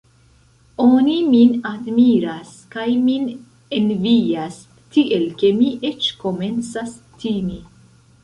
Oni min admiras kaj min envias, tiel ke mi eĉ komencas timi.